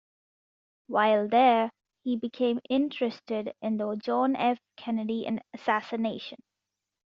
While there, he became interested in the John F. Kennedy assassination.